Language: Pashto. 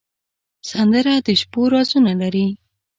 سندره د شپو رازونه لري